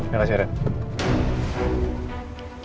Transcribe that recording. terima kasih pak al